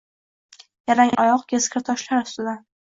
Yalang oyoq, keskir toshlar ustidan.